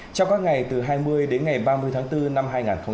trong các ngày từ hai mươi đến ngày ba mươi tháng bốn năm hai nghìn một mươi chín